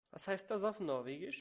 Was heißt das auf Norwegisch?